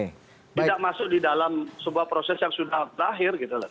tidak masuk di dalam sebuah proses yang sudah berakhir gitu loh